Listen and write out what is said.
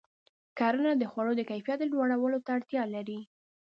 کرنه د خوړو د کیفیت لوړولو ته اړتیا لري.